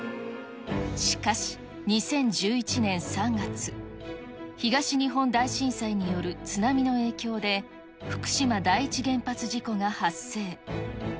しかし、２０１１年３月、東日本大震災による津波の影響で、福島第一原発事故が発生。